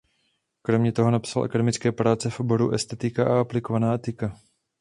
Kromě toho napsal akademické práce v oboru estetika a aplikovaná etika.